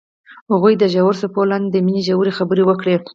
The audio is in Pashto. هغوی د ژور څپو لاندې د مینې ژورې خبرې وکړې.